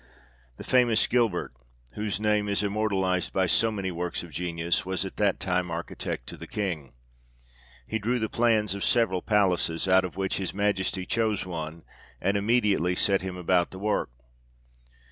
The famous Gilbert, whose name is immortalized by so many works of genius, was, at that time, architect to the King. He drew the plans of several palaces, out of which his Majesty chose one ; and immediately set him about the work.